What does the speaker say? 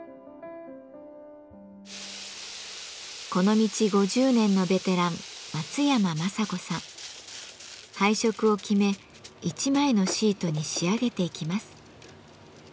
この道５０年のベテラン配色を決め１枚のシートに仕上げていきます。